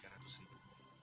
ya gan dani ya